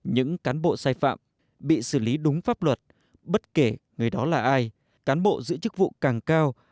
những cán bộ sai phạm bị xử lý đúng pháp luật bất kể người đó là ai cán bộ giữ chức vụ càng cao